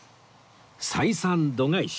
採算度外視